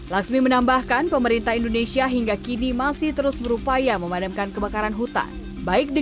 laksmi menambahkan pemerintah indonesia hingga kini masih terus berupaya memadamkan kebakaran hutan baik di